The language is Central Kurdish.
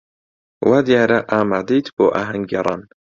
وا دیارە ئامادەیت بۆ ئاهەنگگێڕان.